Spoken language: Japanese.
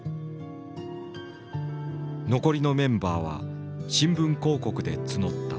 残りのメンバーは新聞広告で募った。